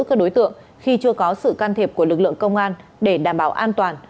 các đối tượng khi chưa có sự can thiệp của lực lượng công an để đảm bảo an toàn